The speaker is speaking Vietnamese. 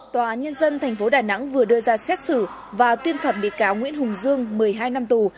tòa án nhân dân thành phố đà nẵng vừa đưa ra xét xử và tuyên phẩm bị cáo nguyễn hùng dương một mươi hai năm tù